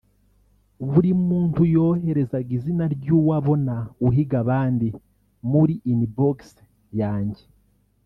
buri muntu yoherezaga izina ry’uwo abona uhiga abandi muri inbox yanjye